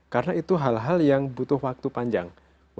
karena itu hal hal yang butuh waktu panjang